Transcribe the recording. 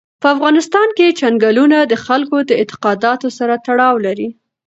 په افغانستان کې چنګلونه د خلکو د اعتقاداتو سره تړاو لري.